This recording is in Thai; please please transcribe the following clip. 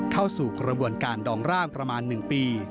เข้าสู่กระบวนการดองร่างประมาณ๑ปี